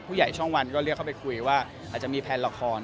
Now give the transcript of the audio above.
ช่องวันก็เรียกเข้าไปคุยว่าอาจจะมีแพลนละคร